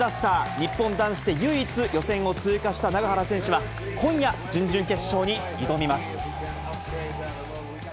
日本男子で唯一予選を通過した永原選手は今夜、準々決勝に挑みます。